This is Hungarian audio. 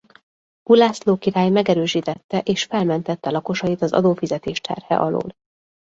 Ulászló király megerősítette és felmentette lakosait az adófizetés terhe alól.